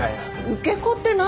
受け子って何？